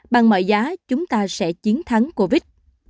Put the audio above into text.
bằng mọi giá chúng ta sẽ chiến thắng covid